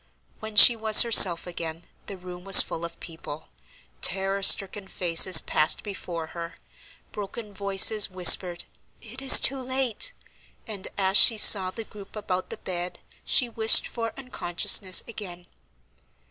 When she was herself again, the room was full of people; terror stricken faces passed before her; broken voices whispered, "It is too late," and, as she saw the group about the bed, she wished for unconsciousness again.